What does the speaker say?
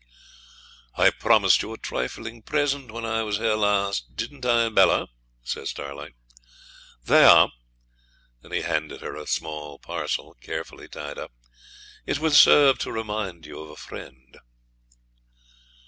'I promised you a trifling present when I was here last, didn't I, Bella?' says Starlight. 'There.' He handed her a small parcel carefully tied up. 'It will serve to remind you of a friend.'